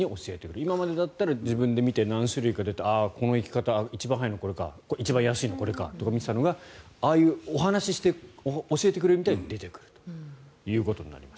今までだったら自分で見て何種類か出て、この行き方一番早いのはこれか一番安いのはこれかって見ていたのがああいう、お話して教えてくれるみたいに出てくるということになります。